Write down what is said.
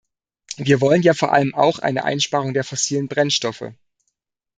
Wir wollen ja vor allem auch eine Einsparung der fossilen Brennstoffe.